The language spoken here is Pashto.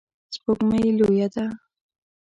سپوږمۍ لویه ده